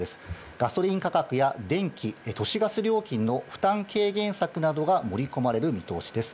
ガソリン価格や電気、都市ガス料金の負担軽減策などが盛り込まれる見通しです。